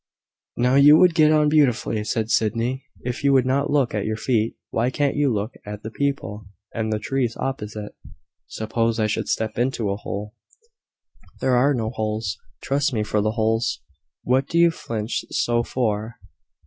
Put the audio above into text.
"Now, you would get on beautifully," said Sydney, "if you would not look at your feet. Why can't you look at the people, and the trees opposite?" "Suppose I should step into a hole." "There are no holes. Trust me for the holes. What do you flinch so for?